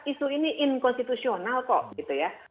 isu ini inkonstitusional kok gitu ya